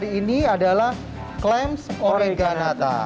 ini adalah klaims oreganata